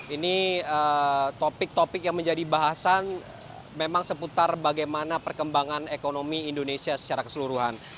ini topik topik yang menjadi bahasan memang seputar bagaimana perkembangan ekonomi indonesia secara keseluruhan